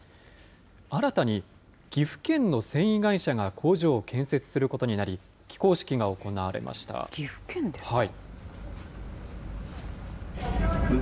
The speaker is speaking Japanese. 新たに岐阜県の繊維会社が工場を建設することになり、岐阜県ですか。